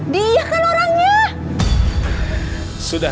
dia kan orangnya